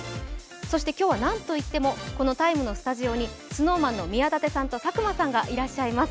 そして今日はなんといってもこの「ＴＩＭＥ，」のスタジオにＳｎｏｗＭａｎの宮舘さんと佐久間さんがいらっしゃいます。